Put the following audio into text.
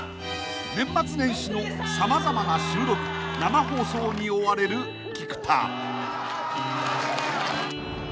［年末年始の様々な収録生放送に追われる菊田］